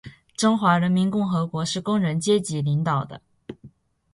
中华人民共和国是工人阶级领导的